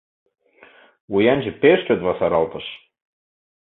Вуянче пеш чот васаралтыш.